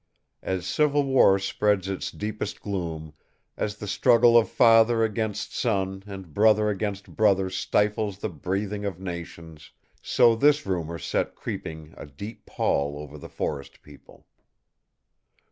As civil war spreads its deepest gloom, as the struggle of father against son and brother against brother stifles the breathing of nations, so this rumor set creeping a deep pall over the forest people.